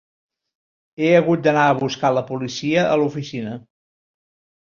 He hagut d'anar a buscar la policia a l'oficina.